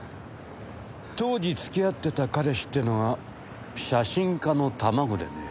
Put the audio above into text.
当時付き合ってた彼氏っていうのは写真家の卵でね。